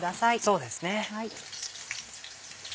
そうですね。